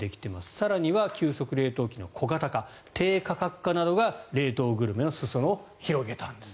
更には急速冷凍機の小型化低価格化などが冷凍グルメの裾野を広げたんです。